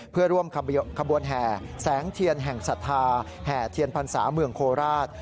เพื่อร่วมขบวนแห่แสงเทียนแห่งศรัทธาแห่เทียนพรรษาเมืองโคราช